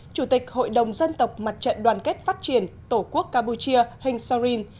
chủ tịch hội đồng dân tộc mặt trận đoàn kết phát triển tổ quốc campuchia hinh saorin